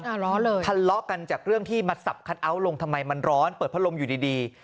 ร้อนเลยทะเลาะกันจากเรื่องที่มาสับคัทเอาท์ลงทำไมมันร้อนเปิดพัดลมอยู่ดีดี